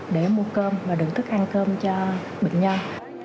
để mua cơm và đựng thức ăn cơm cho bệnh nhân